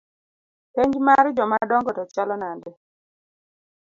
Penj mar jomadongo to chalo nade?